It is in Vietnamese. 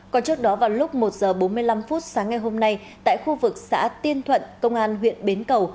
còn trước đó vào lúc một h bốn mươi năm sáng ngày hôm nay tại khu vực xã tiên thuận công an huyện bến cầu